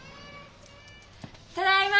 ただいま。